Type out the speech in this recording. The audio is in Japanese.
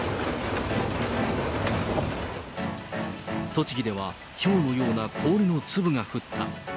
栃木ではひょうのような氷の粒が降った。